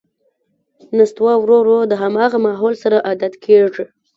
نستوه ورو ـ ورو د همغه ماحول سره عادت کېږي.